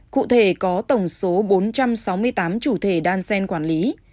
cụ thể có tổng số bốn trăm sáu mươi tám chủ thể đan xen quản lý